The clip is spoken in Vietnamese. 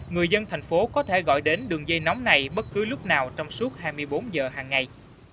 người dân thành phố có thể gọi đến đường dây nóng này bất cứ lúc nào trong suốt hai mươi bốn giờ hàng ngày